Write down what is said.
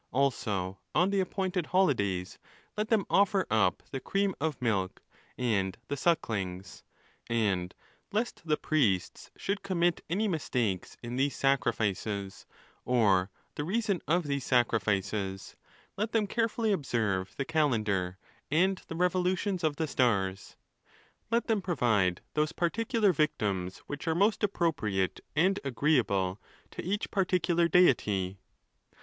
Also, on the appointed holidays, let them offer up the cream of milk, and the sucklings ; and lest the priests should commit any mistakes in these sacrifices, or the reason of these sacrifices, let. them carefully observe the calendar, and the revolutions of the stars—Let them provide those particular victims which are most appropriate and agreeable to each particular | deity.